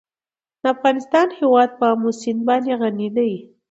د افغانستان هیواد په آمو سیند باندې غني دی.